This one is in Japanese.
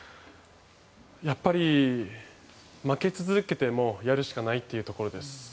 やっぱり負け続けてもやるしかないっていうところです。